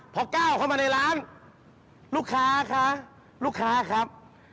พอก้าวเข้ามาในร้านลูกค้าคะลูกค้าครับ